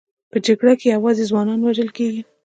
په جګړه کې یوازې ځوانان وژل کېږي